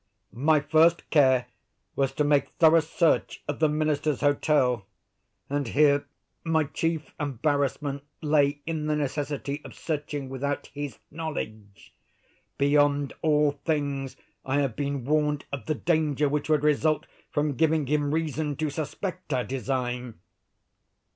My first care was to make thorough search of the minister's hotel; and here my chief embarrassment lay in the necessity of searching without his knowledge. Beyond all things, I have been warned of the danger which would result from giving him reason to suspect our design."